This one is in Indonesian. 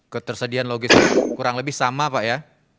ketersediaan logistik kurang lebih sama pak ya